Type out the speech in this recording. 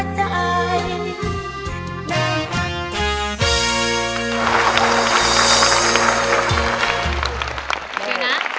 ชิคกี้พายนะ